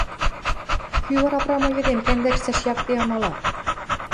Кӱ вара прамой эдем кӓндӓкш цӓш якте амала?